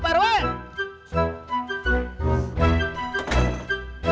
masa pokoknya juga per desta